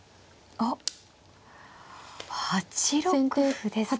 あっ８六歩ですか。